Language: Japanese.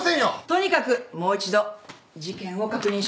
とにかくもう一度事件を確認しましょう。